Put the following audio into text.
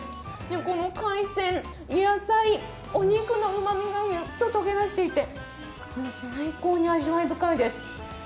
この海鮮、野菜、お肉のうまみがグッと溶け出していて最高に味わい深いです。